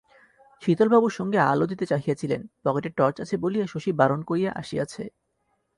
শীতলবাবু সঙ্গে আলো দিতে চাহিয়াছিলেন, পকেটে টর্চ আছে বলিয়া শশী বারণ করিয়া আসিয়াছে।